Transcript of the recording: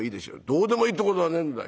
「どうでもいいってことはねえんだ。